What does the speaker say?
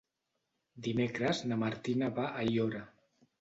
Dimecres na Martina va a Aiora.